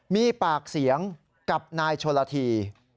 มีปากเสียงกับนายชนละที